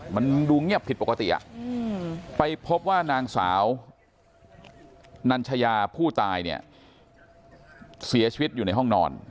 มันดูเงียบผิดปกติไปพบว่านางสาวนัญชยาผู้ตายเนี่ยเสียชีวิตอยู่ในห้องนอน